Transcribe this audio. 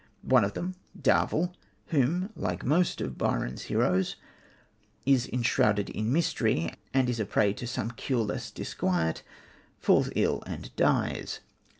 One of them, Darvell, who, like most of Byron's heroes, is enshrouded in mystery, and is a prey to some cureless disquiet, falls ill and dies.